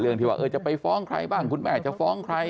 ที่ว่าจะไปฟ้องใครบ้างคุณแม่จะฟ้องใคร